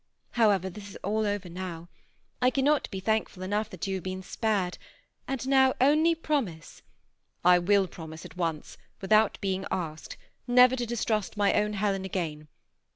However, all this is over now ! I cannot be thank ful enough that you have been spared, and now. only promise "" I will promise at once, without being asked, never to distrust my own Helen again.